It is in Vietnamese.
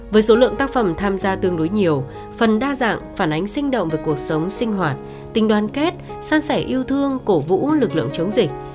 với số lượng tác phẩm tham gia tương đối nhiều phần đa dạng phản ánh sinh động về cuộc sống sinh hoạt tình đoàn kết san sẻ yêu thương cổ vũ lực lượng chống dịch